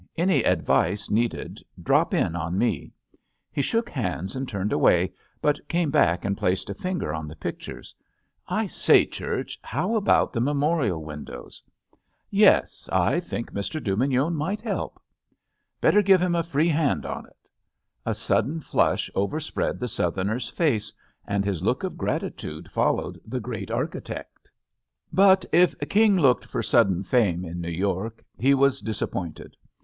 Any advice needed, drop in on me." He shook hands and turned away, but came back and placed a finger on the pictures : "I say, Church, how about the memorial windows?" "Yes, I think Mr. Dubignon might help." JUST SWEETHEARTS ^ "Better give him a free hand on it." A sudden flush overspread the Southerner's face and his look of gratitude followed the great architect. But if King looked for sudden fame in New York, he was disappointed.